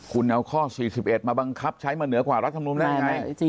คุณเอาข้อ๔๑มาบังคับใช้มาเหนือกว่ารัฐธรรมนุษย์มันอย่างไร